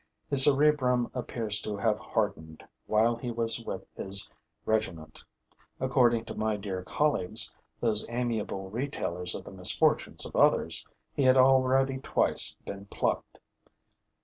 His cerebrum appears to have hardened while he was with his regiment. According to my dear colleagues, those amiable retailers of the misfortunes of others, he had already twice been plucked.